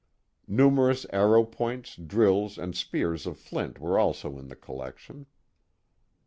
Numerous arrow points, drills, and spears of flint were also in the collection.